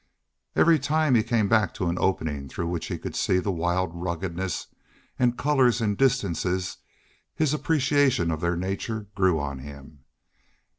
Every time he came back to an opening through which he could see the wild ruggedness and colors and distances, his appreciation of their nature grew on him.